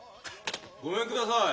・ごめんください。